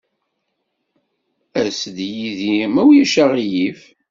As-d yid-i ma ulac aɣilif.